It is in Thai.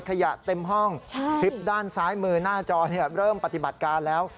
ขยะเต็มห้องคลิปด้านซ้ายมือหน้าจอเริ่มปฏิบัติการแล้ว